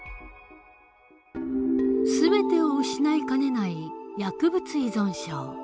全てを失いかねない薬物依存症。